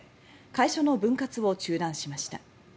会社の分割を中断しました。